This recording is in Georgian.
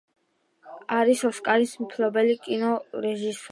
არის ოსკარის მფლობელი კინორეჟისორი.